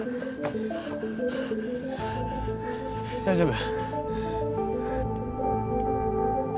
大丈夫？